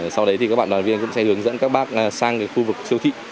sau đấy thì các bạn đoàn viên cũng sẽ hướng dẫn các bác sang khu vực siêu thị